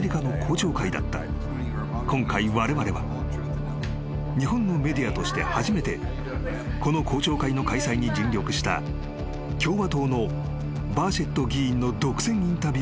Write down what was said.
［今回われわれは日本のメディアとして初めてこの公聴会の開催に尽力した共和党のバーシェット議員の独占インタビューに成功した］